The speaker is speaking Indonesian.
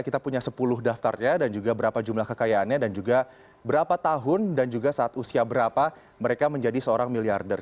kita punya sepuluh daftarnya dan juga berapa jumlah kekayaannya dan juga berapa tahun dan juga saat usia berapa mereka menjadi seorang miliarder